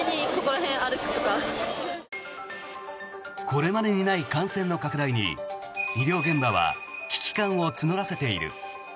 これまでにない感染の拡大に医療現場は危機感を募らせている。